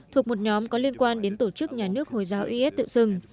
thuộc một nhóm có liên quan đến tổ chức nhà nước hồi giáo is tự xưng